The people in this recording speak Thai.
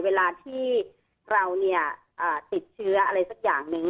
เวลาที่เราติดเชื้ออะไรสักอย่างหนึ่ง